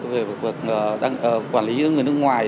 về quản lý người nước ngoài